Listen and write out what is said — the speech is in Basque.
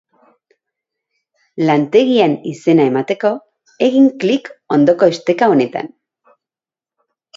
Lantegian izena emateko, egin klik ondoko esteka honetan.